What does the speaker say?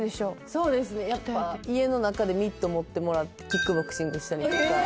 そうですねやっぱ家の中でミット持ってもらってキックボクシングしたりとかえ！